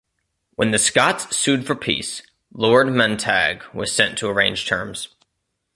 When the Scots sued for peace, Lord Montague was sent to arrange terms.